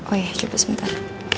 oh ya coba sebentar